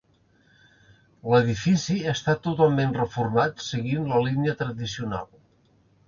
L'edifici està totalment reformat seguint la línia tradicional.